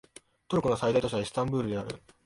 トルコの最大都市はイスタンブールである